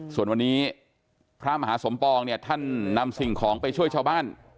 ส่วนวันนี้พระมหาสมปองเนี่ยท่านนำสิ่งของไปช่วยชาวบ้าน